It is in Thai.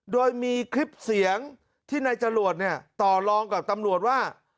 โดยมีคลิปเสียงที่นายจรวดเนี่ยต่อรองกับตำรวจว่า